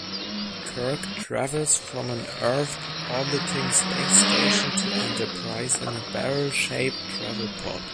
Kirk travels from an Earth-orbiting Space station to "Enterprise" in a barrel-shaped "travel pod".